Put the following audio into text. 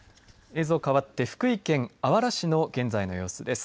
映像、かわって福井県あわら市の現在の様子です。